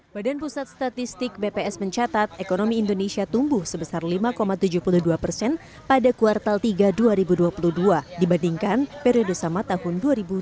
badan pusat statistik bps mencatat ekonomi indonesia tumbuh sebesar lima tujuh puluh dua persen pada kuartal tiga dua ribu dua puluh dua dibandingkan periode sama tahun dua ribu dua puluh